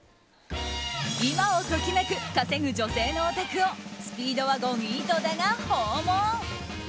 今を時めく稼ぐ女性のお宅をスピードワゴン井戸田が訪問！